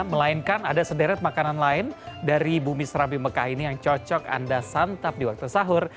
melainkan ada sederet makanan lain dari bumi serabi mekah ini yang cocok anda santap di waktu sahur